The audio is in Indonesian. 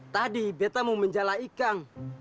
tadi beta mau menjala ikan